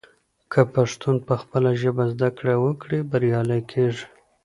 که پښتون پخپله ژبه زده کړه وکړي، بریالی کیږي.